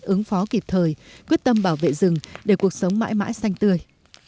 ứng phó kịp thời quyết tâm bảo vệ rừng để cuộc sống mãi mãi xanh tươi